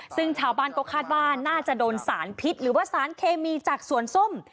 ซึ่งชาวบ้านก็คาดว่าน่าจะโดนสารพิษหรือว่าสารเคมีจากสวนส้ม